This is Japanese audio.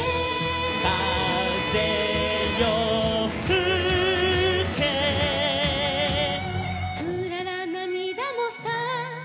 「かぜよふけ」「うららなみだもさ」